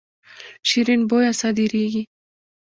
شیرین بویه صادریږي.